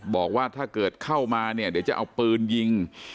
บอกว่าถ้าเกิดเข้ามาเนี่ยเดี๋ยวจะเอาปืนยิง